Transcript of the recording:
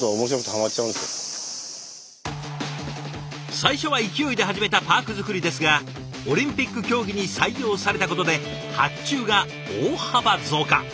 最初は勢いで始めたパーク作りですがオリンピック競技に採用されたことで発注が大幅増加。